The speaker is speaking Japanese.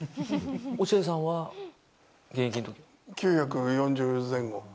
落合さんは、９４０前後。